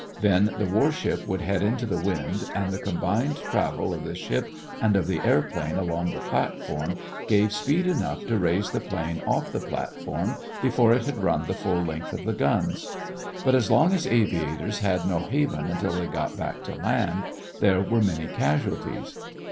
Then the war ship would head into the wind and the combined travel of the ship and of the airplane along the platform gave speed enough to raise the plane off the platform before it had run the full length of the guns. But as long as aviators had no haven until they got back to land, there were many casualties.